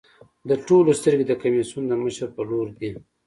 د ټولو سترګې د کمېسیون د مشر په لور دي.